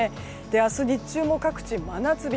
明日、日中も各地で真夏日。